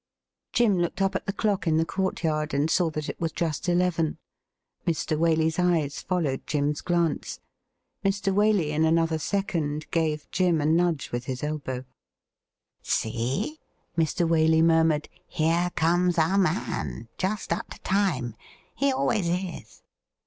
Jim looked up at the clock in the courtyard and saw that it was just eleven. Mr. Waley's eyes followed Jim's glance. Mr. Wtdey in another second gave Jim a nudge with his elbow. 90 THE RIDDLE RING 'See,' Mr. Waley murmured, 'here comes our man — just up to time : he always is.'